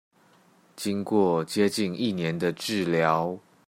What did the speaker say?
經過接近一年的治療